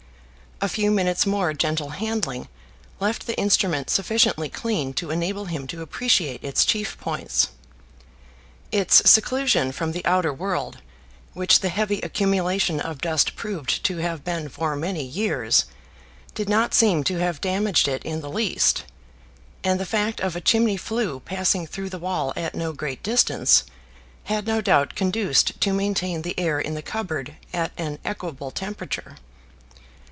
A few minutes' more gentle handling left the instrument sufficiently clean to enable him to appreciate its chief points. Its seclusion from the outer world, which the heavy accumulation of dust proved to have been for many years, did not seem to have damaged it in the least; and the fact of a chimney flue passing through the wall at no great distance had no doubt conduced to maintain the air in the cupboard at an equable temperature.